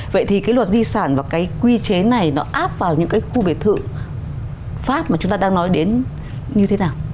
vậy thì cái luật di sản và cái quy chế này nó áp vào những cái khu biệt thự pháp mà chúng ta đang nói đến như thế nào